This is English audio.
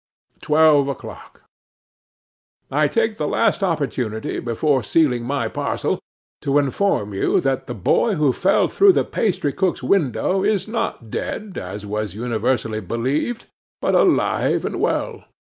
'Twelve o'clock. 'I TAKE the last opportunity before sealing my parcel to inform you that the boy who fell through the pastrycook's window is not dead, as was universally believed, but alive and well.